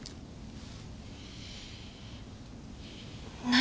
何？